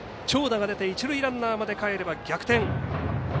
長打が出て一塁ランナーまでかえれば逆転。